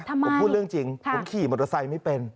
ผมพูดเรื่องจริงผมขี่มอเตอร์ไซค์ไม่เป็น